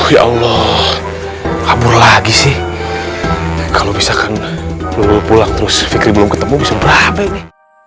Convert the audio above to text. ya allah kabur lagi sih kalau bisa kan pulang terus fitri belum ketemu seberapa ini